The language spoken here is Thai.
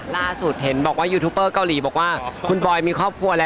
ล่าสุดเห็นบอกว่ายูทูปเปอร์เกาหลีบอกว่าคุณบอยมีครอบครัวแล้ว